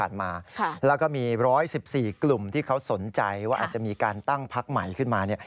แล้วก็มี๑๑๔กลุ่มที่เขาสนใจว่าอาจจะมีการตั้งพักใหม่ขึ้นมา